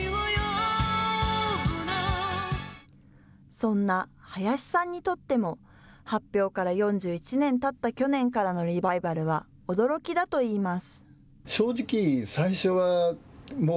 そんな林さんにとっても、発表から４１年たった去年からのリバイバルは、驚きだといいます。